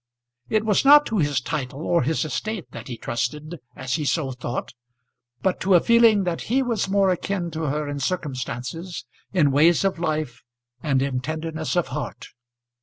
It was not to his title or his estate that he trusted as he so thought, but to a feeling that he was more akin to her in circumstances, in ways of life, and in tenderness of heart.